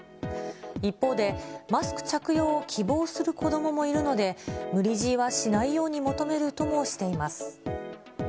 一方で、マスク着用を希望する子どももいるので、無理強いはしないように求めるともしています。